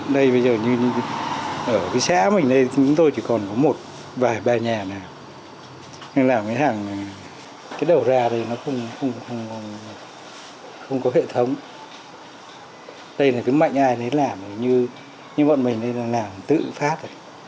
đây là cái mạnh ai lấy làm như bọn mình lấy làm tự phát